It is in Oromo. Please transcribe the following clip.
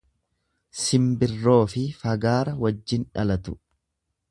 Simbirroofi fagaara wajjin dhalatu.